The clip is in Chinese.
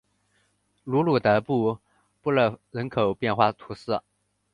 卢鲁德布布勒人口变化图示